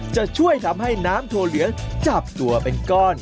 จะช่วยทำให้น้ำถั่วเหลืองจับตัวเป็นก้อน